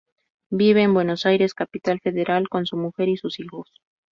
Vive en Buenos Aires, Capital Federal con su mujer y sus hijos.